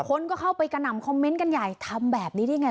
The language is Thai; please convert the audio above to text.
คนก็เข้าไปกระหน่ำคอมเมนต์กันใหญ่ทำแบบนี้ได้ไง